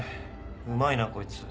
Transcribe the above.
うまいなこいつ。